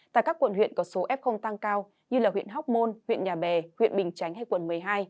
tại các quận huyện có số f tăng cao như huyện hóc môn huyện nhà bè huyện bình chánh hay quận một mươi hai